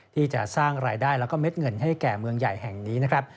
ที่จะสร้างรายได้แล้วก็เม็ดเงินให้แก่เมืองใหญ่แห่งนี้นะครับ